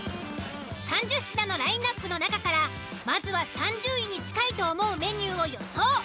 ３０品のラインアップの中からまずは３０位に近いと思うメニューを予想。